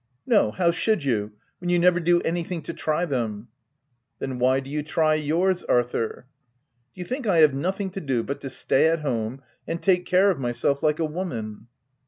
" No — how should you, when you never do anything to try them ?" "Then why do you try yours, Arthur?" " Do you think I have nothing to do but to stay at home and take care of myself like a woman